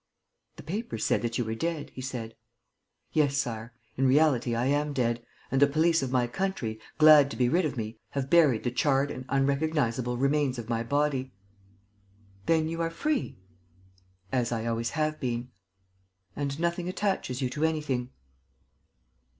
"The papers said that you were dead," he said. "Yes, Sire. In reality, I am dead. And the police of my country, glad to be rid of me, have buried the charred and unrecognizable remains of my body." "Then you are free?" "As I always have been." "And nothing attaches you to anything?"